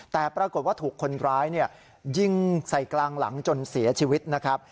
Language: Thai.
แต่ปรากฏว่าถูกคนร้ายยิงใส่กลางหลังจนเสียชีวิตนะครับ